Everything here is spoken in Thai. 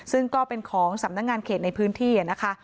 ซึ่งก็เป็นของสำนักงานเขตในพื้นที่นะคะ